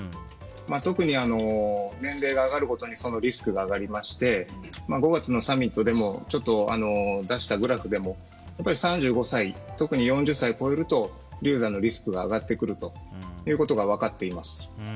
特に年齢が上がることにそのリスクが上がりまして５月のサミットで出したグラフでも３５歳、特に４０歳を超えると流産のリスクが上がってくるということが分かっています。